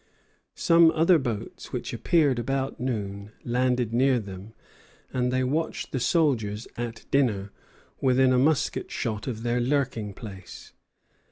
Some other boats which appeared about noon landed near them, and they watched the soldiers at dinner, within a musket shot of their lurking place.